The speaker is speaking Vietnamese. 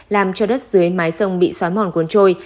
làm cho đất dưới mái sông bị xói mòn cuốn trôi